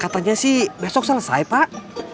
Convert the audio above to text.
katanya sih besok selesai pak